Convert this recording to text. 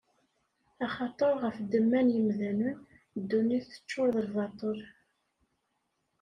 Axaṭer ɣef ddemma n yemdanen, ddunit teččuṛ d lbaṭel.